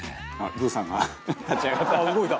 「ブーさんが立ち上がった」